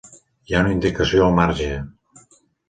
Hi ha una indicació al marge.